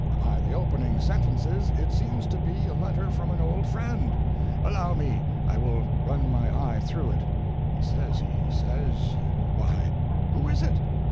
By the opening sentences it seems to be a letter from an old friend. Allow me I will run my eye through it. He says he says why, who is it?"